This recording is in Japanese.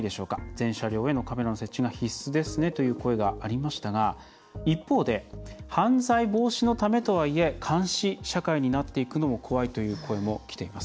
全車両へのカメラの設置が必須ですね」という声がありましたが一方で「犯罪防止のためとはいえ監視社会になっていくのも怖い」という声もきています。